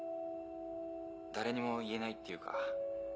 誰にも言えないっていうか